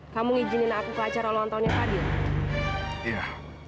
kamu ngijinin aku ke acara lontongnya tadi ya